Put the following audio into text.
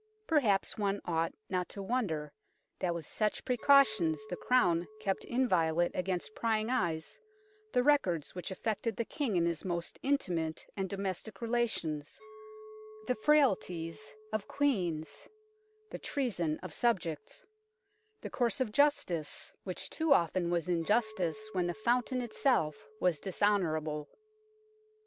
Perhaps one ought not to wonder that with such precautions the Crown kept inviolate against prying eyes the records which affected the King in his most intimate and domestic relations, the frailties of Queens, the treason of subjects, the course of justice which too often 153 154 UNKNOWN LONDON was injustice when the fountain itself was dis honourable.